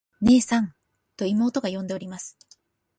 「ねえさん。」と妹が呼んでおります。